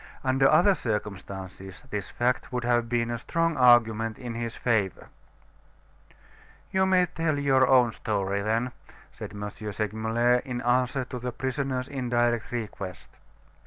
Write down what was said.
Under other circumstances, this fact would have been a strong argument in his favor. "You may tell your own story, then," said M. Segmuller in answer to the prisoner's indirect request.